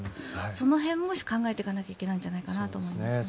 その辺も考えていけなきゃいけないんじゃないかなと思いますね。